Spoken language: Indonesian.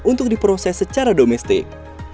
untuk diproses secara domestik